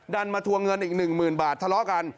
มาทวงเงินอีก๑๐๐๐บาททะเลาะกัน